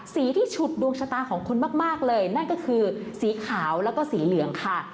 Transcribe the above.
สีที่ฉุดดวงชะตาของคุณมากเลยนั่นก็คือสีขาวแล้วก็สีเหลืองค่ะ